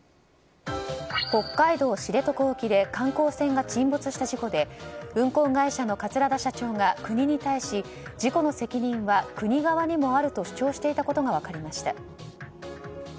北海道知床沖で観光船が沈没した事故で運航会社の桂田社長が国に対し事故の責任は国側にもあると主張していたことが分かりました。